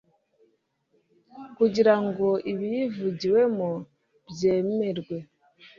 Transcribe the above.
kugira ngo ibiyivugiwemo byemerwe